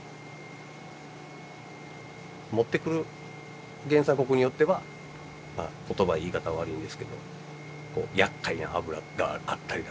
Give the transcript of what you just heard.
持ってくる原産国によっては言葉言い方悪いんですけどやっかいな油があったりだとか。